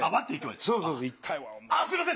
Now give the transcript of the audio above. すいません